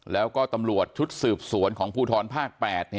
แล้วก็ตำรวจชุดสืบสวนของภูทรภาค๘